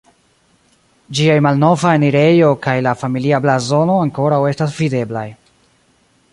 Ĝiaj malnova enirejo kaj la familia blazono ankoraŭ estas videblaj.